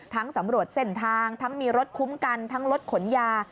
สำรวจเส้นทางทั้งมีรถคุ้มกันทั้งรถขนยา